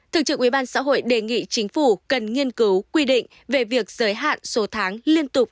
thượng trưởng ubxh đề nghị chính phủ cần nghiên cứu quy định về việc giới hạn số tháng liên tục